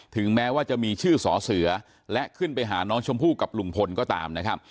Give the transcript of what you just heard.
แม้ว่าจะมีชื่อสอเสือและขึ้นไปหาน้องชมพู่กับลุงพลก็ตามนะครับ